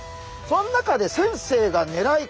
その中で先生がねらい